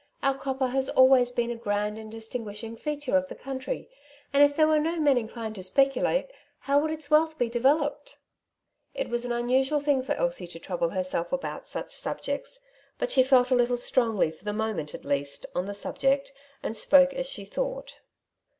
Our copper has always been a grand and distinguishing feature of the country, and if there were no men inclined to speculatOj how would its wealth be developed ?" Wealth versus Poverty. 105 It was an unusual thing for Elsie to trouble her self abouf such subjects, but she felt a little strongly, for the moment at least, on the subject, and spoke as she thought.